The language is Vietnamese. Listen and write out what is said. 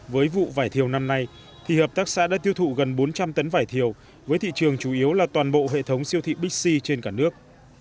với vụ vải thiều năm nay thì hợp tác xã đã tiêu thụ gần bốn trăm linh tấn vải thiều với thị trường chủ yếu là toàn bộ hệ thống siêu thị bixi trên cả nước